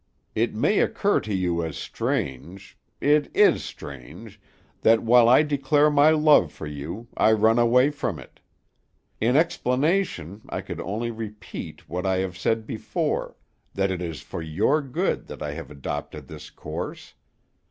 "It may occur to you as strange it is strange that while I declare my love for you, I run away from it. In explanation I could only repeat what I have said before; that it is for your good that I have adopted this course.